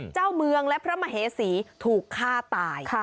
เจ้าเมืองและพระมเหสีถูกฆ่าตาย